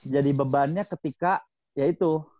jadi bebannya ketika ya itu